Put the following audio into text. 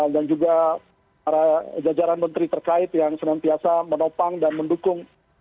dan juga para jajaran menteri terkait yang senantiasa menopang dan mendukung